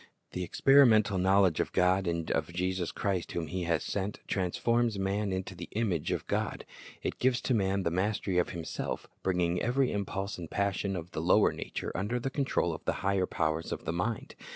The experimental knowledge of God and of Jesus Christ whom He has sent, transforms man into the image of God. It gives to man the mastery of himself, bringing every impulse and passion of the lower nature under the control of the higher powers of the mind.